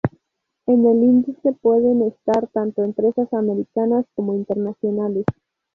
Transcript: En el índice pueden estar tanto empresas americanas como internacionales.